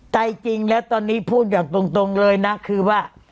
ใจจริงแล้วตอนนี้พูดอย่างตรงเลยนะคือว่า